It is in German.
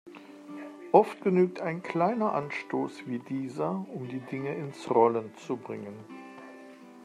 Oft genügt ein kleiner Anstoß wie dieser, um die Dinge ins Rollen zu bringen.